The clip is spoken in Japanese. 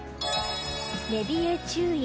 寝冷え注意。